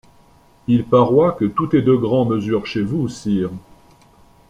Il paroist que tout est de grant mesure chez vous, Sire!